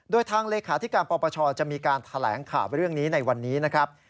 โดยทางเลขาธิการปปชจะมีการแถลงข่าวเรื่องนี้ในวันนี้นะครับ